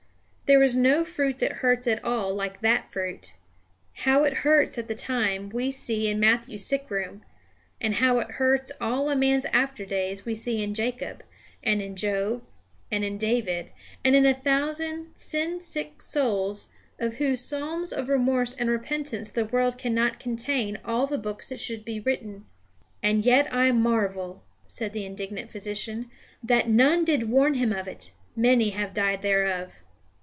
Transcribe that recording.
There is no fruit that hurts at all like that fruit. How it hurts at the time, we see in Matthew's sick room; and how it hurts all a man's after days we see in Jacob, and in Job, and in David, and in a thousand sin sick souls of whose psalms of remorse and repentance the world cannot contain all the books that should be written. "And yet I marvel," said the indignant physician, "that none did warn him of it; many have died thereof."